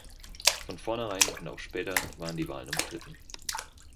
Von vornherein und auch später waren die Wahlen umstritten.